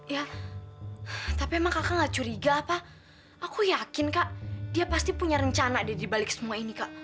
ya tapi emang kakak gak curiga apa aku yakin kak dia pasti punya rencana deh dibalik semua ini kak